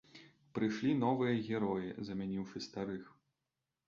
Прыйшлі новыя героі, замяніўшы старых!